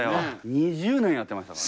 ２０年やってましたから。